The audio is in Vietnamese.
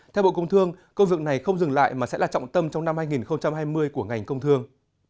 theo bộ công thương công việc này không dừng lại mà sẽ là trọng tâm trong năm hai nghìn hai mươi của ngành công thương